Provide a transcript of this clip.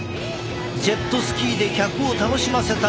ジェットスキーで客を楽しませたり。